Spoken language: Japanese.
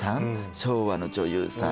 昭和の女優さん